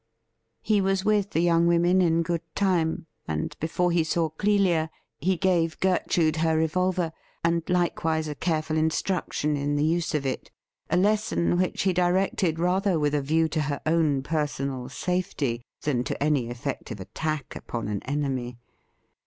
He was with the yoimg women in good time, and before he saw Clelia he gave Gertrude her revolver, and likewise a careful instruction in the use of it — a lesson which he directed rather with a view to her own personal safety than to any effective attack upon an enemy.